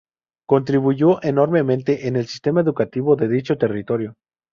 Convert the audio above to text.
Contribuyó enormemente en el sistema educativo de dicho territorio.